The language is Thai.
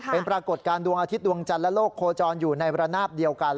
เป็นปรากฏการณ์ดวงอาทิตยดวงจันทร์และโลกโคจรอยู่ในระนาบเดียวกัน